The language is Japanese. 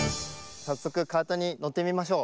さっそくカートにのってみましょう。